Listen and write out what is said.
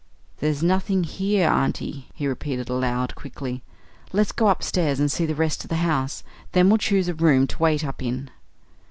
"There's nothing here, aunty," he repeated aloud quickly. "Let's go upstairs and see the rest of the house. Then we'll choose a room to wait up in."